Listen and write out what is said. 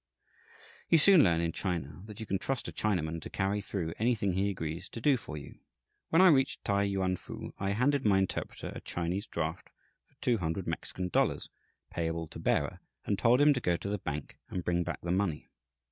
You soon learn, in China, that you can trust a Chinaman to carry through anything he agrees to do for you. When I reached T'ai Yuan fu I handed my interpreter a Chinese draft for $200 (Mexican), payable to bearer, and told him to go to the bank and bring back the money.